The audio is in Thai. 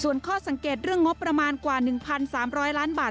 ส่วนข้อสังเกตเรื่องงบประมาณกว่า๑๓๐๐ล้านบาท